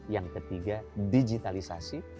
yang ketiga digitalisasi